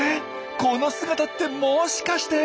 この姿ってもしかして！？